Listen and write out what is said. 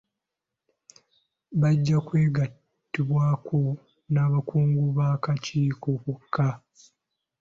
Bajja kwegatiibwaako n'abakungu b'akakiiko bokka.